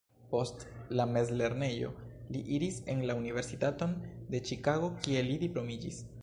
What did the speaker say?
Post la mezlernejo li iris en la Universitaton de Ĉikago kie li diplomiĝis.